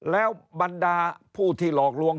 แล้วบรรดาผู้ที่หลอกลวง